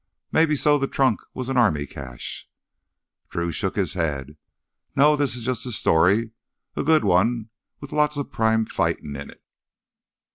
Maybe so the trunk was an army cache—" Drew shook his head. "No, this is just a story. A good one with lots of prime fightin' in it.